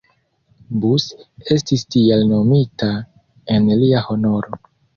Bus, estis tiel nomita en lia honoro.